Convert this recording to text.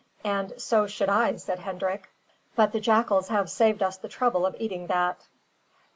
"And so should I," said Hendrik, "but the jackals have saved us the trouble of eating that."